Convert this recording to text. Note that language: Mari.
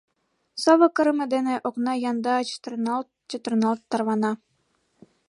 Сово кырыме дене окна янда чытырналт-чытырналт тарвана.